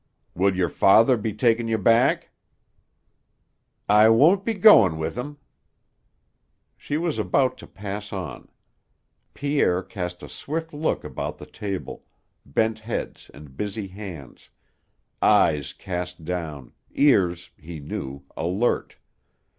"Will your father be takin' you back?" "I won't be goin' with him." She was about to pass on. Pierre cast a swift look about the table bent heads and busy hands, eyes cast down, ears, he knew, alert.